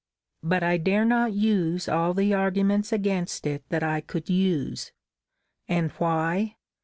But I dare not use all the arguments against it that I could use And why?